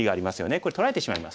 これ取られてしまいます。